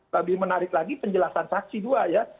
lebih menarik lagi penjelasan saksi dua ya